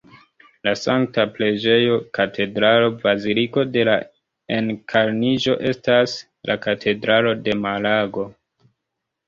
La Sankta Preĝejo Katedralo Baziliko de la Enkarniĝo estas la katedralo de Malago.